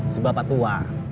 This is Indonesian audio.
si bapak tua